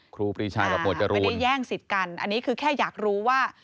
ครูปรีชากับหมวดจรูนไม่ได้แย่งสิทธิ์กันอันนี้คือแค่อยากรู้ว่า